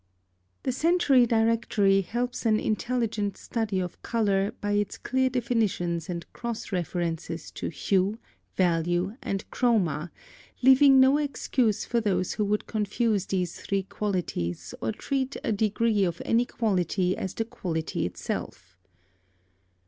+ The Century Dictionary helps an intelligent study of color by its clear definitions and cross references to HUE, VALUE, and CHROMA, leaving no excuse for those who would confuse these three qualities or treat a degree of any quality as the quality itself.